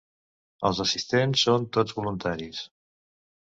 Els assistents són tots voluntaris.